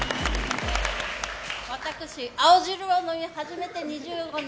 私、青汁を飲み始めて２５年。